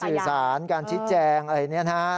การสื่อสารการชิดแจงอะไรแบบนี้นะ